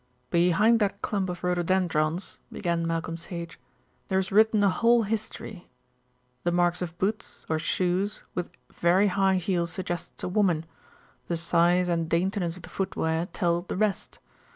"Behind that clump of rhododendrons," began Malcolm Sage, "there is written a whole history. The marks of boots, or shoes, with very high heels suggests a woman, the size and daintiness of the footwear tell the rest.